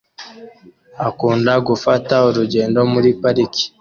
Akunda gufata urugendo muri parike